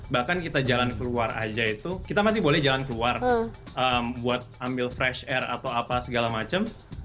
bahkan kita jalan keluar aja itu kita masih boleh jalan keluar buat ambil fresh air atau apa segala macem